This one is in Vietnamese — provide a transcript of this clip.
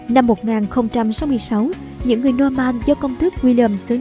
năm một nghìn sáu mươi sáu những người norman do công thức william xới normandy